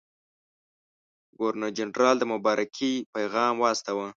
ګورنرجنرال د مبارکۍ پیغام واستاوه.